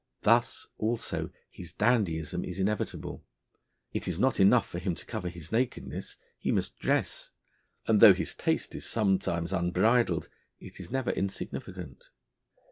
Thus, also, his dandyism is inevitable: it is not enough for him to cover his nakedness he must dress; and though his taste is sometimes unbridled, it is never insignificant.